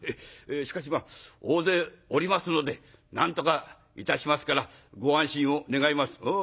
しかしまあ大勢おりますのでなんとかいたしますからご安心を願います」。